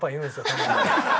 たまに。